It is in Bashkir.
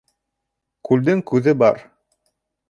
Күлдең күҙе бар